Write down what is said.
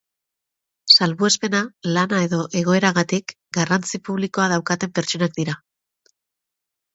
Salbuespena, lana edo egoeragatik, garrantzi publikoa daukaten pertsonak dira.